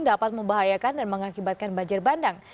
dapat membahayakan dan mengakibatkan banjir bandang